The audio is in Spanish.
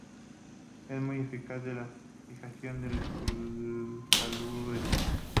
Es muy eficaz en la fijación de taludes.